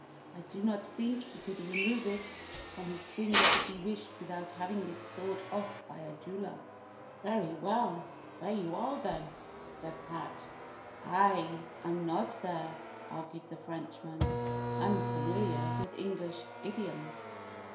I do not think he could remove it from his finger if he wished without having it sawed off by a jeweller." "Very well, then!" said Pat. "There you are!" "But I am not there," argued the Frenchman, unfamiliar with English idioms.